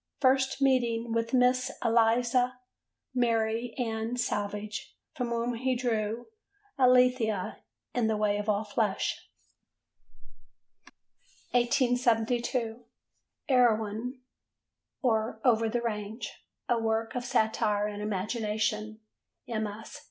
First meeting with Miss Eliza Mary Ann Savage, from whom he drew Alethea in The Way of All Flesh. 1872. Erewhon or Over the Range: a Work of Satire and Imagination: MS.